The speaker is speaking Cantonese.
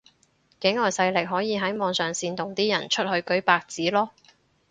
境外勢力可以喺網上煽動啲人出去舉白紙囉